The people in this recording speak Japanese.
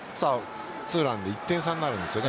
２ランで１点差になるんですよね。